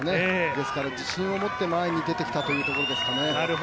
ですから自信を持って前に出てきたというところですかね。